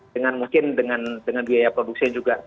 dengan mungkin dengan biaya produksi juga